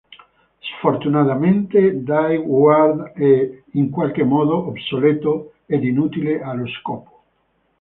Sfortunatamente, Dai-Guard è in qualche modo obsoleto ed inutile allo scopo.